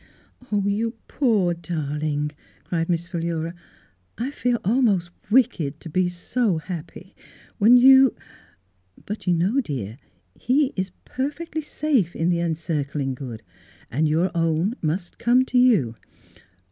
" You poor darling," cried Miss Phi lura, " I feel almost wicked to be so happy, when you — But you know, dear, he is perfectly safe in the Encircling Good, and your own must come to you.